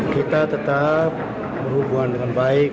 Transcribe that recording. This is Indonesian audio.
kita tetap berhubungan dengan baik